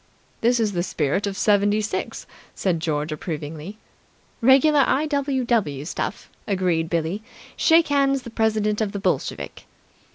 "This is the spirit of '76!" said George approvingly. "Regular I.W.W. stuff," agreed Billie. "Shake hands the President of the Bolsheviki!"